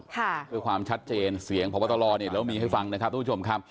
เพื่อความชัดเจนเสียงพบตรเนี่ยเรามีให้ฟังนะครับทุกผู้ชมครับ